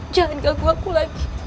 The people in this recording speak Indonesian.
jangan ganggu aku lagi